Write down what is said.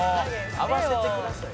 「合わせてくださいよ」